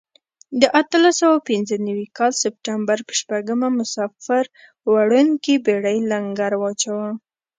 د اتلس سوه پنځه نوي کال سپټمبر په شپږمه مسافر وړونکې بېړۍ لنګر واچاوه.